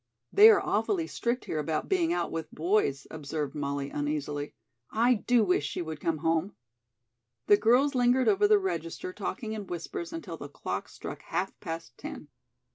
"They are awfully strict here about being out with boys," observed Molly uneasily. "I do wish she would come home." The girls lingered over the register talking in whispers until the clock struck half past ten.